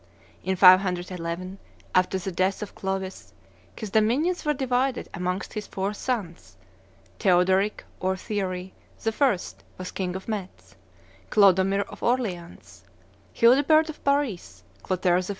In 511, after the death of Clovis, his dominions were divided amongst his four sons; Theodoric, or Thierry I., was king of Metz; Clodomir, of Orleans; Childebert, of Paris; Clotaire I.